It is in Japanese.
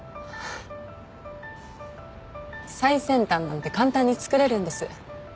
最先端なんて簡単に作れるんです。